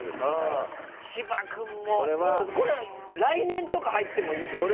芝君もこれは来年とか入ってもいいぐらい。